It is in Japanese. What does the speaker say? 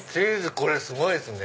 これすごいですね。